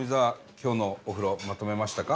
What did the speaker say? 今日のお風呂まとめましたか？